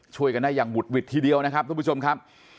ช่วยกันได้อย่างบุดหวิดทีเดียวนะครับทุกผู้ชมครับ